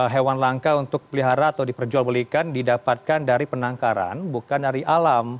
hewan langka untuk pelihara atau diperjual belikan didapatkan dari penangkaran bukan dari alam